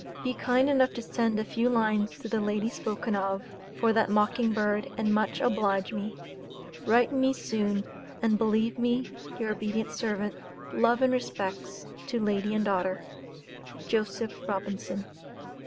Be kind enough to send a few lines to the Lady spoken of for that mocking bird and much oblige me. Write me soon and believe me your obedient Serv't Love & respects to Lady and daughter JOSEPH ROBINSON.